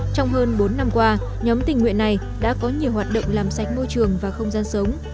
trong hơn bốn năm qua nhóm tình nguyện này đã có nhiều hoạt động làm sạch môi trường và không gian sống